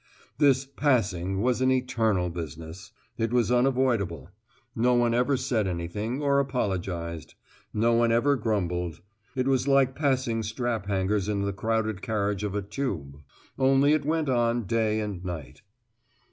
This "passing" was an eternal business. It was unavoidable. No one ever said anything, or apologised. No one ever grumbled. It was like passing strap hangers in the crowded carriage of a Tube. Only it went on day and night.